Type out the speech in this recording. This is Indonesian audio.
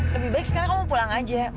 lebih baik sekarang kamu pulang aja